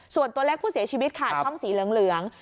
ส่วนตัวเลขผู้เสียชีวิตค่ะช่องสีเหลือง